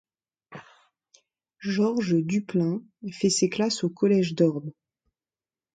Georges Duplain fait ses classes au collège d'Orbe.